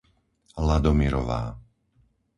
Ladomirová